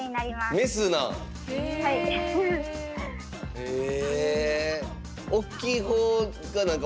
へえ。